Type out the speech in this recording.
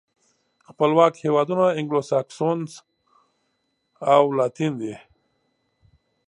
خپلواک هېوادونه انګلو ساکسوسن او لاتین دي.